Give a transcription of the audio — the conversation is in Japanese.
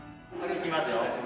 いきますよ。